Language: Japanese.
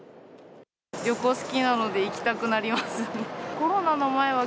旅行好きなので行きたくなります。